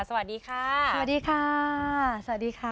สวัสดีค่ะสวัสดีค่ะ